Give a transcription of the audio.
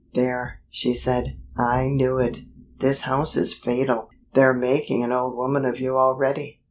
"There," she said "I knew it! This house is fatal! They're making an old woman of you already."